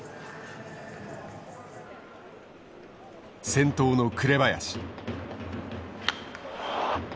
先頭の紅林。